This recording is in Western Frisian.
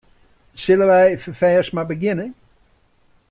Sille wy ferfêst mar begjinne?